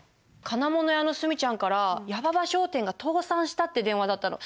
金物屋のスミちゃんから矢馬場商店が倒産したって電話だったの。